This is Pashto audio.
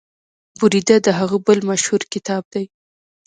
بریده د هغه بل مشهور کتاب دی.